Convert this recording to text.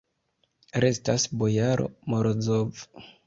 Restas bojaro Morozov.